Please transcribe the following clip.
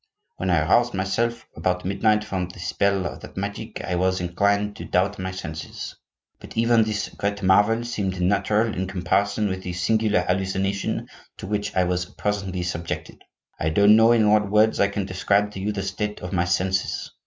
When I roused myself about midnight from the spell of that magic, I was inclined to doubt my senses. But even this great marvel seemed natural in comparison with the singular hallucination to which I was presently subjected. I don't know in what words I can describe to you the state of my senses.